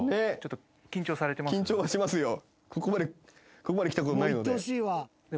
ここまで来たことないので。